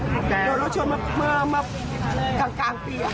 โดนรถชนเมื่อกลางปี